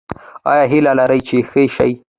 ایا هیله لرئ چې ښه شئ؟